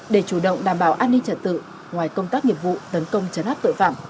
để chủ động đảm bảo an ninh trật tự ngoài công tác nghiệp vụ tấn công chấn áp tội phạm